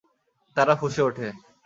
তারা ফুঁসে ওঠে।